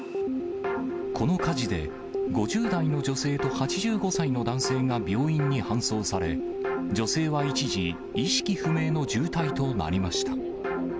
この火事で、５０代の女性と８５歳の男性が病院に搬送され、女性は一時、意識不明の重体となりました。